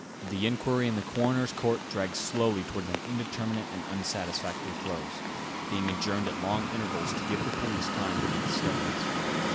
The inquiry in the coroner's court dragged slowly towards an indeterminate and unsatisfactory close, being adjourned at long intervals to give the police time to make discoveries.